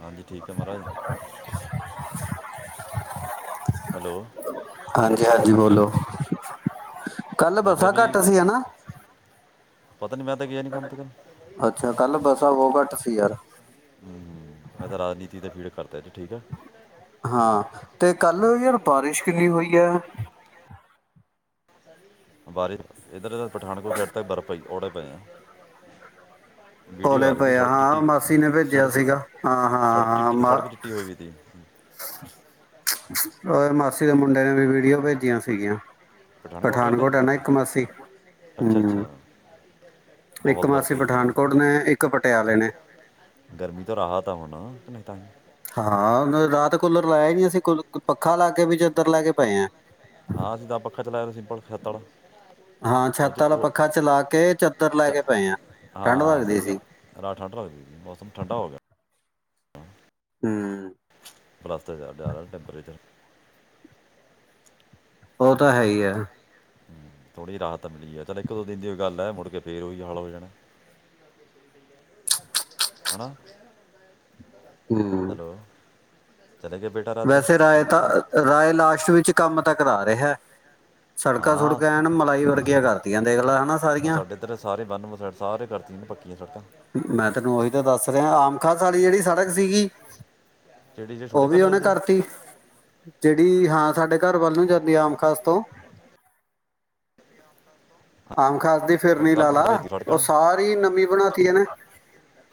ਹਾਂਜੀ ਠੀਕ ਹੈ ਮਹਾਰਾਜ ਹੈਲੋ ਹਾਂਜੀ ਹਾਂਜੀ ਬੋਲੋ ਕੱਲ ਮੈਂ ਕਿਹਾ ਬੱਸਾਂ ਵੀ ਘੱਟ ਸੀ ਹਨਨਾ ਪਤਾ ਨੀ ਮੈਂ ਤਾਂ ਗਿਆ ਨੀ ਕੰਮ ਤੇ ਕੱ ਅੱਛਾ ਕੱਲ ਬੱਸਾਂ ਬਹੁਤ ਘੱਟ ਯਾਰ ਮੈਂ ਤਾਂ ਰਾਜਨੀਤੀ ਤੇ ਫੀੜ ਕਰਦਾ ਜੀ ਠੀਕ ਆ ਹਾਂ ਤੇ ਕੱਲ ਯਾਰ ਬਾਰਿਸ਼ ਕਿੰਨੀ ਹੋਈ ਹੈ ਬਾਰੀ ਇੱਧਰ ਦਾ ਪਠਾਨਕੋਟ ਐਡ ਤਾਂ ਬਰਫ ਪਈ ਔੜੇ [unintelligible] ਵੀਡੀਓ ਕੌਲੇ ਆ ਰਹੀ ਸੀ ਪਏ ਸੜਕ ਹਾਂ ਚਿੱਟੀ ਮਾਸੀ ਨੇ ਭੇਜਿਆ ਸੜਕ ਸੀਗਾ ਹਾਂ ਹਾਂ ਸੜਕ ਹਾਂ ਚਿੱਟੀ ਮ ਸੜਕ ਚਿੱਟੀ ਹੋਈ ਵੀ ਤੀ ਮਾਸੀ ਦੇ ਮੁੰਡੇ ਨੇ ਵੀ ਵੀਡੀਓ ਭੇਜੀਆਂ ਸੀਗੀਆਂ ਪਠਾਨਕੋਟ ਹੈ ਨਾ ਇੱਕ ਮਾਸੀ। ਅੱਛਾ ਹਮ, ਅੱਛਾ ਇੱਕ ਬਹੁਤ ਬਰਫ਼ ਮਾਸੀ ਪਈ ਵੀ ਆ ਪਠਾਨਕੋਟ ਨੇ ਇੱਕ ਪ ਟਿਆਲੇ ਨੇ ਗਰਮੀ ਤੋਂ ਰਾਹਤ ਆਂ ਹੁਣ ਹਾਂ ਉਹਨ ਰਾਤ ਕੂਲਰ ਲਾਇਆ ਨੀ ਅਸੀਂ ਪੱਖਾ ਲਾ ਕੇ ਵੀ ਚੱਦਰ ਲੈ ਕੇ ਪਏ ਆ ਹਾਂ ਅਸੀਂ ਤਾ ਪੱਖਾ ਚਲਾਇਆ ਸੀ। ਪਲ ਛੱਤ ਆਲਾ ਹਾਂ ਉਹ ਛੱਤ ਵਾਲਾ ਉਹ ਪੱਖਾ ਚਲਾ ਕੇ ਚੱਦਰ ਲੈ ਚ ਕੇ ਪਏ ਆ ਠੰਡ ਹਾਂ ਲੱਗਦੀ ਸਹੀ ਗੱਲ ਸੀ ਰਾਤ ਠੰਡ ਲਗਦੀ ਸੀ ਮੌਸਮ ਠੰਡਾ ਹੋ ਗਿਆ ਹਮ ਪਲਾਸਤਰ ਜ਼ਿਆਦਾ ਟੈਂਪਰੇਚਰ ਉਹ ਤਾਂ ਹੈ ਹੀ ਹੈ ਥੋੜੀ ਜਿਹੀ ਰਾਹਤ ਤਾਂ ਮਿਲੀ ਆ ਚੱਲ ਇੱਕ ਦੋ ਦਿਨ ਦੀ ਗੱਲ ਹੈ ਮੁੜ ਕੇ ਫੇਰ ਉਹੀ ਹਾਲ ਹੋ ਜਾਣਾ। ਹੈਨਾ? ਹਮ ਚਲੇ ਗਏ ਬੇਟਾ ਰਾਤ ਫਿਰ ਵੈਸੇ ਰਾਏ ਤਾਂ ਰਾਏ ਲਾਸਟ ਵਿੱਚ ਕੰਮ ਤਾਂ ਕਰਾ ਰਿਹਾ ਸੜਕਾਂ ਹਾਂ ਸੁੜਕਾਂ ਐਨ ਮਲਾਈ ਵਰਗੀਆਂ ਕਰ ਆਂ ਦੇਖਲਾ ਆਹ ਸਾਡੇ ਇੱਧਰ ਸਾਰੇ ਬੰਨ ਸਾਰੇ ਕਰਦੀਆਂ ਨੇ ਪੱਕੀਆਂ ਸੜਕਾਂ ਮੈਂ ਤੈਨੂੰ ਉਹੀ ਤਾਂ ਦੱਸ ਰ ਤੇ ਆਮ ਖਾ ਸੀ ਜਿਹੜੀ ਸੜਕ ਸੀਗੀ ਜਿਹੜੀ ਜਿਹੜੀ ਉਹ ਛੋਟੇ ਘਰ ਵੀ ਨੂੰ ਉਹਨੇ ਜਾਂਦੀ ਹੈ, ਕਰਤੀ ਜਿ ਹਾਂ ਸਾਡੇ ਘਰ ਵੱਲ ਨੂੰ ਜਾਂਦੀ ਆਮ ਖਾਸ ਤੋਂ। ਆਮ ਖਾਸ ਦੀ ਉਹ ਫਿਰਨੀ ਕਾਫੀ ਲਾ ਖਰਾਬ ਹੋਈ ਲਾ ਦੀ ਉਹ ਸੜਕਾਂ ਸਾਰੀ ਨਵੀਂ ਬਣਾ [unintelligible]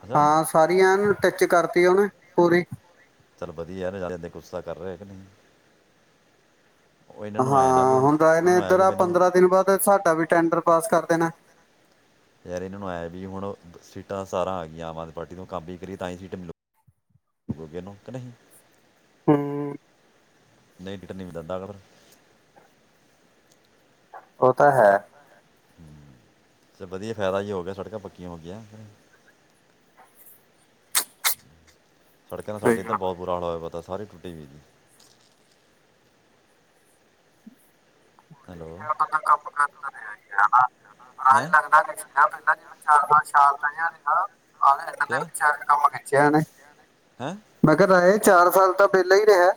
ਅੱਛਾ ਹਾਂ ਸਾਰੀ ਐਨ ਟਿਚ ਕਰ ਉਹਨ ਪੂਰੀ ਚੱਲ ਵਧੀਆ ਨਾਲੇ ਜਾਂਦੇ ਗੁੱਸਾ ਕਰ ਰੇ ਨੇ ਹਾਂ ਹੁਣ ਰਾਜ ਨੇ ਇੱਧਰ ਆ ਮੈਨੂੰ ਪੰਦਰਾਂ ਦਿਨ ਬਾਅਦ ਸਾਡਾ ਵੀ ਟੈਂਡਰ ਪਾਸ ਕਰ ਨਾ ਯਾਰ ਇਹਨਾਂ ਨੂੰ ਆਇਆ ਵੀ ਹੁਣ ਸੀਟਾਂ ਸਾਰਾਂ ਆ ਗਈਆਂ ਆਮ ਆਦਮੀ ਪਾਰਟੀ ਤੋਂ ਕੰਮ ਵੀ ਕਰੀਏ ਤਾਂ ਹੀ ਸੀਟ ਮਿਲੂਗੀ ਇਹਨੂੰ ਕਿ ਨਹੀਂ ਹਮ ਨਹੀਂ ਡਟ ਨੀ ਵੀ ਦਿੰਦਾ ਕ ਫਰ ਓ ਤਾਂ ਹੈ ਹਮ ਤੇ ਵਧੀਆ ਫਾਇਦਾ ਜ ਹੋ ਗਿਆ ਸੜਕਾਂ ਪੱਕੀਆਂ ਹੋ ਗਈਆਂ [inaudible] ਸੜਕਾਂ ਦਾ ਸਾਡੇ ਸਹੀ ਇੱਧਰ ਗੱਲ ਬਹੁਤ ਬਰਾ ਹਾਲ ਹੋਇਆ ਪਤਾ ਸੀ ਸਾਰੀ ਟੁੱਟੀ ਏਈ ਏ ਹਲੀ ਹੈਲੋ ਹੈ ਆਪਾਂ ਤਾਂ ਕੰਮ ਕਰਦਾ ਰਿਹਾ [unintelligible] [unintelligible] ਆਾਂ ਹੈਂ ਇਹ ਲੱਗਦਾ ਨ ਪਹਿਲਾਂ ਜ ਮੈਂ ਚਾਰ ਪਾ [unintelligible] ਚਾਰ ਤ ਰਿਹਾ ਹਾਂ ਇਹ ਕਿਆ ਵਿਚਗੇ ਛਿਆ ਨੇ ਹੈਂ ਮੈ ਕਿਆ ਰਾਏ ਚਾਰ ਸਾਲ ਤਾਂ ਪਹਿਲਾਂ ਹੀ ਰਿਹਾ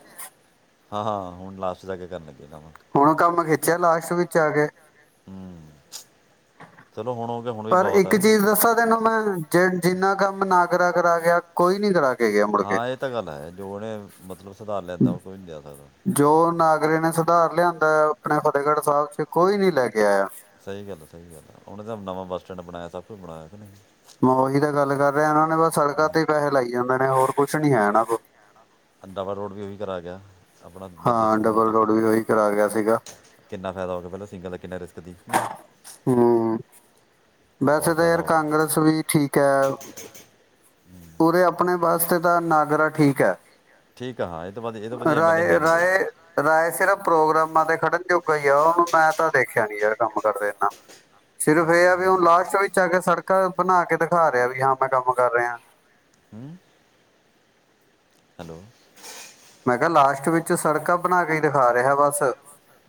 ਹਾਂ ਹਾਂ ਹੁਣ ਲਾਸਟ ਦਾ ਕੇ ਕਰਨ ਲੱਗੇ ਇਹਨਾਂ ਹੁਣ ਕੰਮ ਖਿੱਚਿਆ ਲਾਸਟ ਵਿੱਚ ਆ ਕੇ ਹਮ ਪਰ ਇੱਕ ਚੀਜ਼ ਦੱਸਾਂ ਤੈਨੂੰ ਮੈਂ ਜੇ ਜਿੰਨਾ ਕੰਮ ਨਾ ਕਰਾ ਕਰਾ ਗਿਆ ਕੋਈ ਨੀ ਕਰਾ ਕੇ ਗਿਆ ਮੁੜ ਕੇ ਹਾਂ ਇਹ ਤਾਂ ਗੱਲ ਹੈ ਜੋ ਉਹਨੇ ਮਤਲਬ ਸੁਧਾਰ ਲਿਆਂਦਾ ਉਹ ਕੋਈ ਨੀ ਲਿਆ ਸਕਦਾ ਅਗਰ ਇਹਨੇ ਸੁਧਾਰ ਲਿਆਂਦਾ ਆਪਣੇ ਫਤਿਹਗੜ੍ਹ ਸਾਹਿਬ ਚ ਕੋਈ ਨੀ ਲੈ ਕੇ ਆਇਆ ਸਹੀ ਗੱਲ ਆ ਸਹੀ ਗੱਲ ਆ ਉਹਨੇ ਤਾਂ ਨਵਾਂ ਬੱਸ ਸਟੈਂਡ ਬਣਾਇਆ ਸਭ ਕੁਝ ਬਣਾਇਆ ਮ ਓਹੀ ਤਾ ਗੱਲ ਕਰ ਰਿਹਾ ਬਸ ਸੜਕਾਂ ਤੇ ਪੈੇਹੇ ਲਾਈ ਜਾਂਦੇ ਨੇ ਹੋਰ ਕੁਛ ਨੀ ਹੈ ਏਨਾ ਕੋ ਡਬਲ ਰੋਡ ਵੀ ਉਹੀ ਕਰਾ ਗਿਆ ਆਪਣਾ ਹਾਂ ਦੂਸਰੇ ਮੜੋਂ ਡਬਲ ਤੱਕ ਰੋਡ ਵੀ ਉਹੀ ਕਰਾ ਗਿਆ ਸੀਗਾ ਕਿੰਨਾ ਫਾਇਦਾ ਹੋ ਗਿਆ ਪਹਿਲਾਂ ਸਿੰਗਲ ਦਾ ਕਿੰਨਾ ਰਿ ਹਮ, ਵੈਸੇ ਬਹੁਤ ਤਾਂ ਫਾਇਦਾ ਯਾਰ ਹੋ ਕਾਂਗਰਸ ਵੀ ਠੀਕ ਹੈ। ਗਿਆ ਉੂਰੇ ਆਪਣੇ ਬਸ ਤੇ ਤਾਂ ਨਾਗਰਾ ਠੀਕ ਹੈ ਠੀਕ ਆ ਹਾਂ ਇਹ ਤੋਂ ਬਾਅਦ ਇਹ ਤੋਂ ਵਧੀਆ ਐਮਐਲਏ ਹੈ ਰਾਏ ਨਹੀਂ ਕੋਈ ਰਾਏ ਰਾਏ ਸਿਰਫ ਪ੍ਰੋਗਰਾਮਾਂ ਦੇ ਖੜਨ ਜੋਗਾ ਈ ਆ ਉਹਨੂੰ ਮੈਂ ਤਾਂ ਦੇਖਿਆ ਨੀ ਯਾਰ ਕੰਮ ਕਰਦੇ ਏਨਾ ਸਿਰਫ ਇਹ ਆ ਵੀ ਹੁਣ ਲਾਸਟ ਵਿੱਚ ਆ ਕੇ ਸੜਕਾਂ ਬਣਾ ਕੇ ਦਿਖਾ ਰਿਹਾ ਵੀ ਹਾਂ ਮੈਂ ਕੰਮ ਕਰ ਰਿਹਾ ਹਮ ਹੈਲੋ ਮੈਂ ਕਿਹਾ ਲਾਸਟ ਵਿੱਚ ਸੜਕਾਂ ਬਣਾ ਕੇ ਈ ਦਿਖਾ ਰਿਹਾ ਬਸ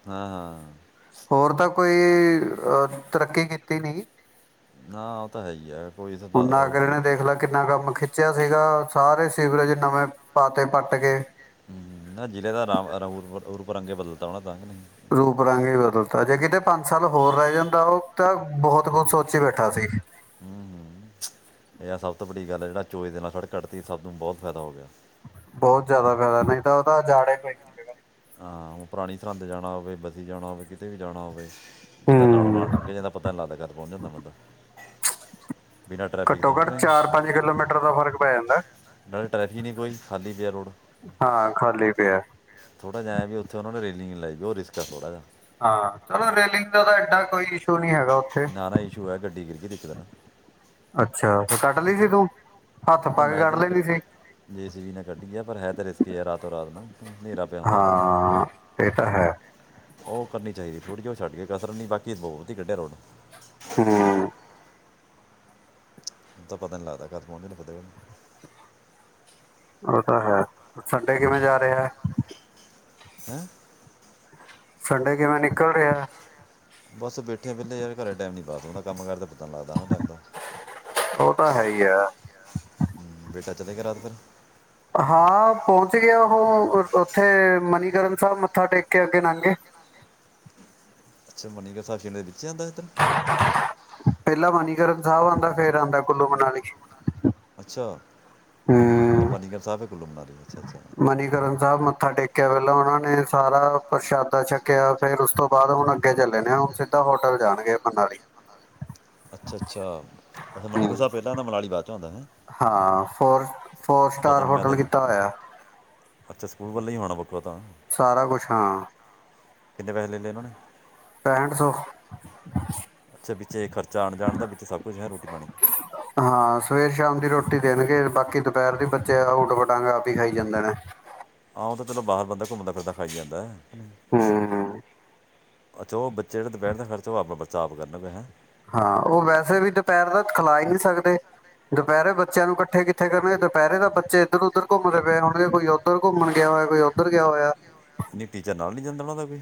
ਹਾਂ ਹਾਂ ਹੋਰ ਤਾਂ ਕੋਈ ਅ ਤਰੱਕੀ ਕੀਤੀ ਨੀ ਹਾਂ ਉਹ ਤਾਂ ਹੈ ਹੀ ਹੈ ਹੁ ਨਾ ਕੇ ਇਹਨੇ ਦੇਖ ਲੈ ਕਿੰਨਾ ਕੰਮ ਚਿਆ ਸੀਗਾ ਸਾਰੇ ਸੀਵਰੇਜ ਨਵੇਂ ਪਾਤੇ ਪੱਟ ਕੇ ਹੂੰ, ਨਾ ਜ਼ਿਲ੍ਹੇ ਦਾ ਰਾਮ ਰਾਮ ਉਰ- ਉਰ [unintelligible] ਤਾਂ [unintelligible] ਰੂਪ ਰੰਗ ਹੀ ਬਦਲਤਾ ਜੇ ਕਿਤੇ ਪੰਜ ਸਾਲ ਹੋਰ ਰਹਿ ਜਾਂਦਾ ਉਹ ਤਾਂ ਬਹੁਤ ਕੁਝ ਸੋਚੀ ਬੈਠਾ ਸੀ ਹੂੰ ਹੂੰ ਇਹ ਸਭ ਤੋਂ ਵੱਡੀ ਗੱਲ ਹੈ ਜਿਹੜਾ ਚੋਏ ਦੇ ਨਾਲ ਸੜਕ ਕੱਢਤੀ ਸਾਨੂੰ ਬਹੁਤ ਫਾਇਦਾ ਹੋ ਗਿਆ ਬਹੁਤ ਜ਼ਿਆਦਾ ਕਰਦਾ ਨਹੀਂ ਤਾਂ ਉਹਦਾ ਜਾਣਾ ਈ ਪਈ ਸੀ ਜਗ੍ਹਾ ਹਾਂ ਹੁ ਪੁਰਾਣੀ ਸਰੰਦ ਜਾਣਾ ਹੋਵੇ ਬੱਸੀ ਜਾਣਾ ਹੋਵੇ ਕਿਤੇ ਵੀ ਜਾਣਾ ਹੋਵੇ ਬੰਦਾ ਨਾਲੋਂ ਹੂੰ ਨਾਲ ਲੰਘ ਜਾਂਦਾ ਪਤਾ ਨਹੀਂ ਲੰਗ ਜਾਂਦਾ [unintelligible] ਪਹੁੰਚ ਜਾਂਦਾ ਬੰਦਾ ਬਿਨਾਂ ਟ੍ਰੈਫਿਕ ਘੱਟੋ ਤੋਂ ਘੱਟ ਅਂਕਣਾ ਕਿਲੋਮੀਟਰ ਦਾ ਫਰਕ ਪੈ ਜਾਂਦਾ ਨਾਲੇ ਟ੍ਰੈਫਿਕ ਨੀ ਕੋਈ ਖਾਲੀ ਪਿਆ ਰੋਡ ਹਾਂ ਖਾਲੀ ਪਿਆ ਥੋੜਾ ਜਿਆ ਐਂ ਵੀ ਉੱਥੇ ਟਿੰਗ ਲ ਜਾਓ ਰਿਕਿਸਕਾ ਥੋੜ੍ਹਾ ਜਿ ਹਾਂ ਚਲੋ ਰੇਲਿੰਗ ਦਾ ਤਾਂ ਏਡਾ ਕੋਈ ਇਸ਼ੂ ਨਹੀਂ ਹੈਗਾ ਉੱਥੇ ਨਾ ਨਾ ਇਸ਼ੂ ਹੋਇਆ ਗੱਡੀ ਗਿਰ ਗਈ ਤੇ ਇੱਕ ਦਿਨ ਅੱਛਾ ਤੇ ਕੱਟ ਲਈ ਸੀ ਕਰੋ ਨਾ ਮੈਂ ਤਾਂ ਨਹੀਂ ਜੇ ਸੀ ਵੀ ਨਾਲ ਕੱਢੀ ਹੈ ਪਰ ਹੈ ਤਾਂ ਰਿਸਕ [unintelligible] ਰਾਤ ਨੂੰ ਹਨੇਰਾ ਪਿਆ ਹੁੰਦਾ ਉਧਰ ਹਾਂ ਇਹ ਤਾਂ ਹੈ ਉਹ ਕਰਨੀ ਚਾਹੀਦੀ ਥੋੜੀਓ ਛੱਡ ਗੇ ਕਸਰ ਨਹੀਂ ਬਾਕੀ [unintelligible] ਕੱਢਿਆ ਰੋਡ ਹੂੰ ਤਾਂ ਪਤਾ ਨੀ ਲੱਗਦਾ ਘਰ [unintelligible] ਹੋਤਾ ਹੈ ਸੰਡੇ ਕਿਵੇਂ ਜਾ ਰਿਹਾ ਹੈ ਹੈਂ ਸੰਡੇ ਕਿਵੇਂ ਨਿਕਲ ਰਿਹੈ ਬਸ ਬੈਠੇ ਵਿਹਲੇ ਯਾਰ ਘਰੇ ਟਾਈਮ ਨੀ ਪਾਸ ਹੁੰਦਾ ਕੰਮ ਕਾਰ ਤੇ ਪਤਾ ਨੀ ਲੱਗਦਾ ਟੈਮ ਦਾ ਹ ਉਹ ਤਾਂ ਹੈ ਹੀ ਆ ਬੇਟਾ ਚਲੇ ਗਿਆ ਰਾਤ ਫਿਰ ਹਾਂ ਪਹੁੰਚ ਗਿਆ ਉਹ ਉੱਥੇ ਮਨੀਕਰਨ ਸਾਹਿਬ ਮੱਥਾ ਟੇਕ ਕੇ ਅੱਗੇ ਲੰਗੇ ਅੱਛਾ ਮਨੀਕ ਸਾਹਿਬ ਦੇ ਵਿੱਚ ਆਂਦਾ ਇੱਧਰ ਪਹਿਲਾ ਮਨੀਕਰਨ ਸਾਹਿਬ ਆਂਦਾ ਫੇਰ ਆਂਦਾ ਕੁੱਲੂ ਮਨਾਲੀ ਛਾ ਹਮ ਅੱਛਾ ਅੱਛਾ ਮਨੀਕਰਨ ਸਾਹਿਬ ਮੱਥਾ ਟੇਕਿਆ ਪਹਿਲਾਂ ਉਹਨਾਂ ਨੇ ਸਾਰਾ ਪ੍ਰਸ਼ਾਦਾ ਛੱਕਿਆ ਫੇਰ ਉਸ ਤੋਂ ਬਾਅਦ ਹੁਣ ਅੱਗੇ ਚੱਲੇ ਨੇ ਹੁਣ ਸਿੱਧਾ ਹੋਟਲ ਜਾਣਗੇ ਮਨਾਲੀ ਅੱਛਾ ਅੱਛਾ ਅੱਛਾ ਮਨੀਕਰਨ ਹੂੰ ਸਾਹਿਬ ਪਹਿਲਾ ਆਂਦਾ ਮਨਾਲੀ ਬਾਅਦ ਚੋਂ ਆਉਂਦਾ ਹਾਂ ਫੋਰ ਫੋਰ ਸਟਾਰ ਪਤਾ ਨਹੀਂ ਮੈਂ ਹੋਟਲ ਤਾਂ ਕੀਤਾ ਹੋਇਆ ਅੱਛਾ ਸਕੂਲ ਵੱਲੇ ਹੀ ਹੋਣਾ ਵੱਖਾ ਤਾਂ ਸਾਰਾ ਕੁਛ ਹਾਂ ਕਿੰਨੇ ਪੈਸੇ ਲੈ ਲਏ ਉਹਨਾਂ ਨੇ ਪੈਂਹਠ ਸੌ ਅੱਛਾ ਵਿੱਚੇ ਖ਼ਰਚਾ ਆਉਣ ਜਾਣ ਦਾ ਵਿੱਚ ਸਭ ਕੁਛ ਹੈ ਰੋਟੀ ਪਾਣੀ ਹਾਂ ਸਵੇਰ ਸ਼ਾਮ ਦੀ ਰੋਟੀ ਦੇਣਗੇ ਬਾਕੀ ਦੁਪਹਿਰ ਦੀ ਬੱਚੇ ਊਟ ਪਟਾਂਗ ਆਪ ਹੀ ਖਾਈ ਜਾਂਦੇ ਨੇ ਓਤਾਂ ਚਲੋ ਬਾਹਰ ਬੰਦਾ ਘੁੰਮਦਾ ਫਿਰਦਾ ਖਾਈ ਜਾਂਦਾ ਹੈ ਹਮ ਹਮ ਅੱਛਾ ਉਹ ਬੱਚੇ ਜਿਹੜਾ ਦੁਪਹਿਰ ਦਾ ਖਰਚਾ ਉਹ ਆਪਣਾ ਬਚਾ ਆਪ ਕਰਨਗੇ ਹੈਂ ਹਾਂ ਉਹ ਵੈਸੇ ਵੀ ਦੁਪਹਿਰ ਦਾ ਖਿਲਾ ਈ ਨਹੀਂ ਸਕਦੇ ਦੁਪਹਿਰੇ ਬੱਚਿਆਂ ਨੂੰ ਇਕੱਠੇ ਕਿੱਥੇ ਕਰਨਗੇ ਦੁਪਹਿਰੇ ਤਾਂ ਬੱਚੇ ਇੱਧਰ ਉੱਧਰ ਘੁੰਮਦੇ ਪਏ ਹੋਣਗੇ ਕੋਈ ਉੱਧਰ ਘੁੰਮਣ ਗਿਆ ਹੋਇਆ ਕੋਈ ਉੱਧਰ ਗਿਆ ਹੋਇਆ ਨਹੀਂ ਟੀਚਰ ਨਾਲ ਨੀ ਜਾਂਦਾ ਉਹ ਦਾ ਕੋਈ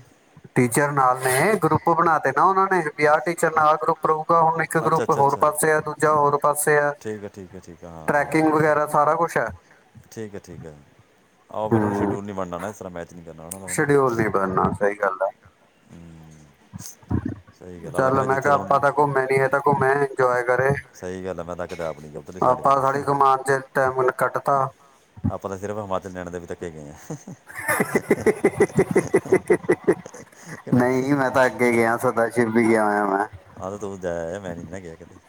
ਟੀਚਰ ਨਾਲ ਨੇ ਗਰੁੱਪ ਬਣਾ ਤੇ ਨਾ ਉਹਨਾਂ ਨੇ ਬੀ ਆ ਟੀਚਰ ਨਾਲ ਗਰੁੱਪ ਰਹੂ ਹੁਣ ਇੱਕ ਅੱਛਾ ਗਰੁੱਪ ਅੱਛਾ ਹੋਰ ਅੱਛਾ ਪਾਸੇ ਆ ਦੂਜਾ ਹੋਰ ਪਾਸੇ ਆ ਠੀਕ ਹੈ ਠੀਕ ਹੈ ਠੀਕ ਹੈ ਹਾਂ ਉਹ- ਟਰੈਕਿੰਗ ਵਗੈਰਾ ਸਾਰਾ ਕੁਛ ਹੈ ਠੀਕ ਹੈ ਠੀਕ ਹੈ ਆਹੋ ਫਿਰ ਉਹਨਾਂ ਹੂੰ ਸ਼ਡਿਊਲ ਨੀ ਬਣਣਾ ਇਸ ਤਰਾਂ ਮੈਚ ਨਹੀਂ ਕਰਨਾ ਉਹਨਾਂ ਸ਼ਡਿਊਲ ਨੀ ਬਣਨਾ ਸਹੀ ਗੱਲ ਹੈ ਹਮ ਚਲ ਮੈਂ ਜਿੱਥੇ ਕਿਹਾ ਤੁਹਾਨੂੰ ਆਪਾ ਤਾਂ ਘੁਮੇ ਨਹੀਂ ਐ ਤਾਂ ਘੁਮੇ ਜੁਆਏਂ ਕਰੇ ਸਹੀ ਗੱਲ ਹੈ ਮੈਂ ਤਾਂ ਕਦੇ ਆਪ ਨਹੀਂ ਗਿਆ ਉੱਧਰਲੀ ਸਾਈਡ ਆਪਾਂ ਕਦੇ [unintelligible] ਕਮਾਨ ਚ ਟੈਮ ਕੱਟਤਾ ਆਪਾਂ ਤਾਂ ਸਿਰਫ਼ ਹਿਮਾਚਲ ਨੈਣਾ ਦੇਵੀ ਤੱਕੇਂ ਗਏ ਹਾਂ ਹਹੀਹੀਹੀਹੀਹੀਹੀ ਨਹੀਂ ਮੈਂ ਤਾਂ ਅੱਗੇ ਗਿਆ ਸਦਾ ਸ਼ਿਵ ਵੀ ਗਿਆ ਹੋਇਆ ਮੈਂ ਆਹ ਤੇ ਤੂੰ ਜਾਇ ਆਯਾ ਮੈਂ ਨੀ ਨਾ ਗਿਆ ਕਿਤੇ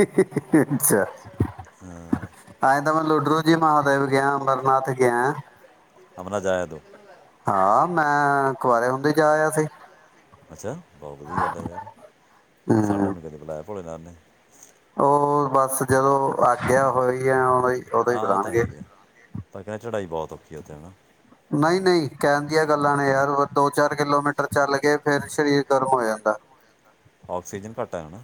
ਹੀਹੀਹੀ ਅੱਛਾ ਹਾਂ ਤਾਂਹੀ ਤਾਂ ਮੈਂ ਲੁਡਰੂ ਜੀ ਮਾ [unintelligible] ਗਿਆ ਅਮਰਨਾਥ ਗਿਆ ਅਮਰਨਾਥ ਜਾ ਆਇਆ ਤੂੰ ਹਾਂ ਮੈਂ ਕੁਆਰੇ ਹੁੰਦੇ ਹੀ ਜਾ ਆਇਆ ਸੀ ਅੱਛਾ ਬਹੁਤ ਵਧੀਆ ਗੱਲ ਹੈ ਯਾਰ ਸਾਡਾ ਹਮ, ਨੀ ਕਦੇ ਬੁਲਾਇਆ ਭੋਲੇ ਨਾਥ ਉਹ ਬਸ ਜਦੋਂ ਆਗਿਆ ਹੋਈ ਆ ਉਦੋਂ ਹੀ ਉਦੋਂ ਹੀ ਹਾਂ ਉਹ ਤਾਂ ਹੈ ਬੁਲਾਣਗੇ ਹੀ ਹੈ ਕਹਿੰਦੇ ਚੜ੍ਹਾਈ ਬਹੁਤ ਔਖੀ ਐ ਉੱਥੇ ਹਨਾ ਨਹੀਂ ਨਹੀਂ ਕਹਿਣ ਦੀਆਂ ਗੱਲਾਂ ਨੇ ਯਾਰ ਦੋ ਚਾਰ ਕਿਲੋਮੀਟਰ ਚੱਲਗੇ ਫਿਰ ਸਰੀਰ ਗਰਮ ਹੋ ਜਾਂਦਾ ਆਕਸੀਜਨ ਘਟ ਐ ਨਾ।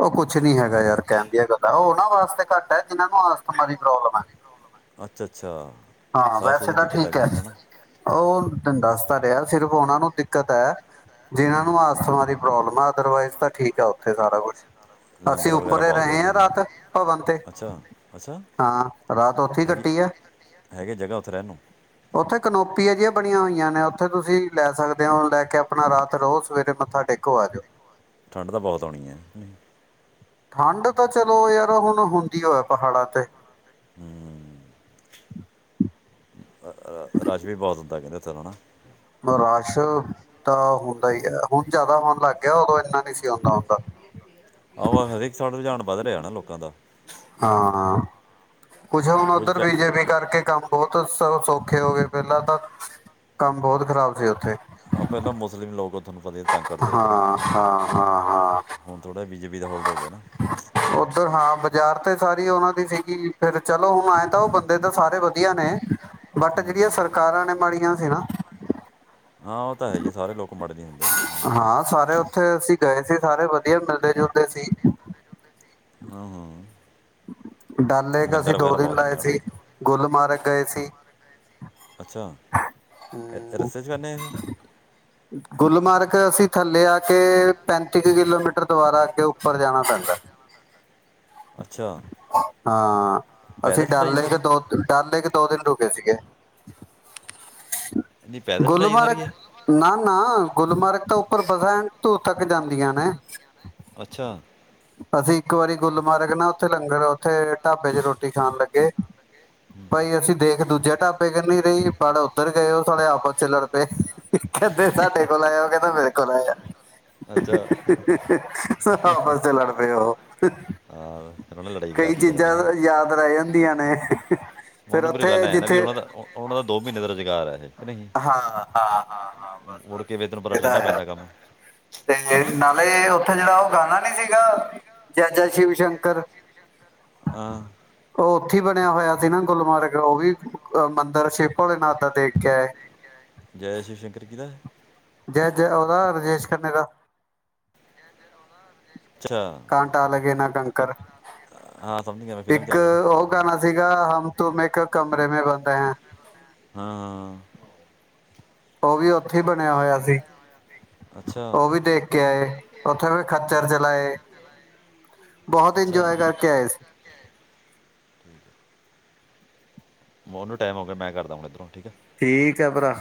ਉਹ ਕੁਛ ਨੀ ਹੈਗਾ ਯਾਰ ਕਹਿਣ ਦੀਆਂ ਗੱਲਾਂ ਉਹਨਾਂ ਵਾਸਤੇ ਘੱਟ ਹੈ ਜਿਹਨਾਂ ਨੂੰ ਅਸਥਮਾ ਦੀ ਪ੍ਰੋਬਲਮ ਹੈ। ਅੱਛਾ ਅੱਛਾ। ਹਾਂ ਸਾਹ ਸੂਹ ਵੈਸੇ ਦੀ ਤਾਂ ਦਿੱਕਤ ਆ ਠੀਕ ਹੈ ਜਿਹਨਾਂ ਨੂੰ ਨਾ ਉਹ। ਤੈਨੂੰ ਦੱਸ ਤਾਂ ਰਿਹਾ ਸਿਰਫ ਉਹਨਾ ਨੂੰ ਦਿੱਕਤ ਹੈ। ਜਿਨਾਂ ਹੂੰ, ਨੂੰ ਆਸਥਮਾ ਦੀ ਪ੍ਰੋਬਲਮ ਆ ਅਦਰਵਾਈਜ਼ ਤਾਂ ਠੀਕ ਆ ਉੱਥੇ ਸਾਰਾ ਕੁਛ। ਅਸੀਂ ਲੰਗਰ ਵਗੈਰਾ ਉੱਪਰੇ ਬਹੁਤ ਰਹੇ ਵਧੀਆ ਹਾਂ ਨੇ ਰਾਤ ਭਵਨ ਤੇ, ਅੱਛਾ ਅੱਛਾ ਹਾਂ ਰਾਤ ਉੱਥੇ ਹੈਗੀ ਕੱਟੀ ਐ ਹੈਗੇ ਜਗ੍ਹਾ ਉੱਥੇ ਰਹਿਣ ਨੂੰ? ਉੱਥੇ ਕਨੋਪੀਆਂ ਜਿਹੀਆਂ ਬਣੀਆਂ ਹੋਈਆਂ ਨੇ ਉੱਥੇ ਤੁਸੀਂ ਲੈ ਸਕਦੇ ਹੋ ਲੈ ਕੇ ਆਪਣਾ ਰਾਤ ਰੋ ਸਵੇਰੇ ਮੱਥਾ ਟੇਕੋ ਆ ਜਾਓ। ਠੰਡ ਤਾਂ ਬਹੁਤ ਹੋਣੀ ਹੈ। ਠੰਡ ਤਾਂ ਚਲੋ ਯਾਰ ਹੁਣ ਹੁੰਦੀਓ ਐ ਪਹਾੜਾਂ ਤੇ ਹਮ। ਰਸ਼ ਵੀ ਬਹੁਤ ਹੰਉਦਾ ਕਹਿੰਦੇ ਉੱਥੇ ਹਨਾ। ਰਸ਼ ਤਾਂ ਹੁੰਦਾ ਹੀ ਹੈ। ਹੁਣ ਜਿਆਦਾ ਹੋਣ ਲੱਗ ਗਿਆ ਉਦੋਂ ਇਨਾ ਨਹੀਂ ਸੀ ਹੁੰਦਾ ਹੁੰਦਾ। ਆਹ ਹਰੇਕ ਸਾਲ ਰੁਜਾਨ ਬੱਧ। ਭਰਿਆ ਨਾ ਲੋਕਾਂ ਦਾ ਹਾਂ। ਕੁਛ ਹੁਣ ਕੁਝ ਉੱਧਰ ਫੈ ਬੀਜੇਪੀ ਕਰਕੇ ਕੰਮ ਬਹੁਤ ਸ ਪਖੇ ਹੋ ਗਏ ਪਹਿਲਾਂ ਤਾਂ ਕੰਮ ਬਹੁਤ ਖ਼ਰਾਬ ਸੀ ਉੱਥੇ। ਆ ਪਹਿਲਾਂ ਮੁਸਲਿਮ ਲੋਕ ਉਹ ਪਤਾ ਤੰਗ ਕਰਦੇ ਉਧਰ ਹਾਂ ਨਹੀਂ। ਹਾਂ ਹੁਣ ਥੋੜਾ ਬੀਜੇਪ ਵੀ ਦਾ ਹੋਲਡੋ ਉਧਰ ਹਾਂ। ਯ ਯਾਰ ਤੇ ਸਾਰੀ ਉਹਨਾਂ ਦੀ ਸੀਗੀ ਫਰ ਚਲੋ ਹੁਣ ਆਏ ਤਾਂ ਉਹ ਬੰਦੇ ਤਾਂ ਸਾਰੇ ਵਧੀਆ ਨੇ ਬਟ ਜਿਹੜੀਆਂ ਹੂੰ। ਸਰਕਾਰਾਂ ਨੇ ਮਾੜੀਆਂ ਹੈ ਨਾ। ਹਾਂ ਉਹ ਤਾਂ ਹੈ ਜੀ ਸਾਰੇ ਲੋਕ ਮਾੜੇ ਨਹੀਂ ਹੁੰਦੇ ਹਾਂ ਸਾਰੇ ਉੱਥੇ ਅਸੀਂ ਗਏ ਸੀ ਸਾਰੇ ਵਧੀਆ ਮਿਲਦੇ ਜੁਲਦੇ ਸੀ ਆਹ ਹਾਂ। ਡਲ ਲੇਕ ਅਸੀਂ ਲੰਗਰ ਦੋ ਵਗੈਰਾ ਦਿਨ ਬਹੁਤ ਲਾਏ ਹੁੰਦੇ ਹਨਾ ਸੀ ਗੁਲਮਾਰਗ ਗਏ ਸੀ। ਅੱਛਾ ਰਸਤੇ ਚ [unintelligible] ਗੁਲਮਾਰਗ ਅਸੀਂ ਥੱਲੇ ਆ ਕੇ ਪੈਂਤੀ ਕੁ ਕਿਲੋਮੀਟਰ ਦੁਬਾਰਾ ਆ ਕੇ ਉੱਪਰ ਜਾਣਾ ਪੈਂਦਾ। ਅੱਛਾ। ਹਾਂ ਪੈਦਲ ਅਸੀਂ ਚੜਾਈ ਡਲਏ ਕੇ ਸਾਰੀ ਦੋ ਡਲਏ ਕੇ ਦੋ ਦਿਨ ਰੁ ਸੀ ਗੇ ਨਹੀਂ ਪੈਦਲ ਚੜਾਈ ਸਾਰੀ ਗੁਲਮਾਰਗ ਇਹ ਨਾ ਨਾ ਗੁਲਮਰਗ ਤਾਂ ਉੱਪਰ ਬਸਹਿਣ ਧੂ ਤੱਕ ਜਾਂਦੀਆਂ ਨੇ ਅੱਛਾ ਅਸੀਂ ਇੱਕ ਵਾਰੀ ਗੁੱਲ ਮਾਰਗ ਨਾ ਓਥੇ ਲੰਗਰ ਅ ਓਥੇ ਢਾਬੇ ਚ ਰੋਟੀ ਖਾਣ ਲੱਗੇ ਹੂੰ, ਭਾਈ ਅਸੀਂ ਦੇਖ ਇੱਕ ਦੂਜੇ ਢਾਬੇ ਕਹੀ ਰਹੀ ਬੜ ਉੱਧਰ ਗਏ ਉਹ ਸਾੇਰੇ ਆਪਸ ਚ ਲੜ ਪਏ ਕਹਿੰਦੇ ਸਾਡੇ ਕੋਲ ਆਇਆ ਓਹ ਕਹਿੰਦੇ ਮੇਰੇ ਕੋਲ ਆਇਆ ਅੱਛਾ ਆਪਸ ਤੇ ਲੜ ਪਏ ਓਹ ਓਹਨਾਂ ਨੇ ਲੜਾਈ ਕਰਾਤੀ ਜਾਂਦੀ ਹੈ ਰਹਿ ਜਾਂਦੀਆਂ ਨੇ ਮਨੂੰ ਫਿਰ ਗੱਲ ਉੱਥੇ ਐ ਨਾ ਵੀ ਜਿੱਥੇ ਓਹਨਾਂ ਦਾ ਓਹਨਾਂ ਦਾ ਦੋ ਮਹੀਨੇ ਦਾ ਰੁਜ਼ਗਾਰ ਹੈ ਇਹ ਕਿ ਨਹੀਂ ਹਾਂ ਹਾਂ ਹਾਂ ਹਾਂ ਬਸ ਮੁੜ ਕੇ ਵੇ ਤੈਨੂੰ ਬੱਸ ਪਤਾ ਇਹ ਤਾਂ ਠੰਡਾ ਹੈ ਪੈਂਦਾ ਕੰਮ ਤੇ ਨਾਲੇ ਉੱਥੇ ਜਿਹੜਾ ਉਹ ਗਾਣਾ ਨੀ ਸੀਗਾ ਜੈ ਜੈ ਸ਼ਿਵ ਸ਼ੰਕਰ ਆਾਂ ਉਹ ਔਥੇ ਬਣਿਆ ਹੋਇਆ ਸੀ ਨਾ ਗੁਲਮਰਗ ਉਹ ਵੀ ਅ ਮੰਦਿਰ ਸ਼ਿਵ ਭਲੇ ਨਾਥ ਦਾ ਦੇਖ ਕੇ ਆਏ ਜੈ ਸ਼ਿਵ ਸ਼ੰਕਰ ਕਿਹਦਾ ਹੈ ਜੈ ਜੈ ਔਹਦਾ ਰਜੇਸ਼ ਖੇ ਦਾ ਅੱਛਾ ਕਾਂਟਾ ਲਗੇ ਨਾ ਕੰੰਕਰ ਹਾਂ ਸਮਝ ਗਿਆ ਮੈਂ ਫਿਲਮ 'ਚ ਇੱਕ ਆਵੇ ਔਹ ਜਿਹੜਾ ਗਾਣਾ ਸੀਗਾ ਹਮ ਤੁਮ ਮੈਂ ਇੱਕ ਕਮਰੇ ਮੇ ਬੰਦੇ ਹੈ ਹਾਂ ਹਾਂ ਉਹ ਵੀ ਉੱਥੇ ਹੀ ਬਣਿਆ ਹੋਇਆ ਸੀ ਅੱਛਾ ਉਹ ਵੀ ਦੇਖ ਕੇ ਆਏ ਉੱਥੇ ਵੀ ਖੱੱਚਰ ਚਲਾਏ ਬਹੁਤ ਅੱਛਾ ਇੰਜੋਏ ਕਰਕੇ ਆਏ ਸੀ ਠੀਕ ਹੈ ਉਹਨੂੰ ਟਾਈਮ ਹੋ ਗਿਆ ਮੈਂ ਕਰਦਾ ਹਣ ਇੱਧਰੋਂ ਠੀਕ ਹੈ ਠੀਕ ਹੈ ਭਰਾ